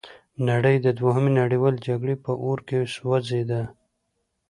نړۍ د دوهمې نړیوالې جګړې په اور کې سوځیده.